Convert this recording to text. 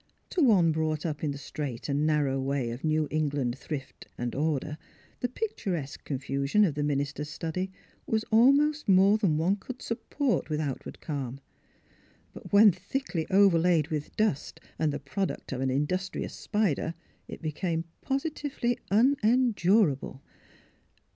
To one brought up in the straight and narrow way of New England thrift and order the picturesque confusion of the minister's study was almost more than one could support with outward calm. But when thickly overlaid with dust and the product of the industrious spider it became positively unendurable.